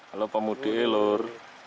halo pemudik lor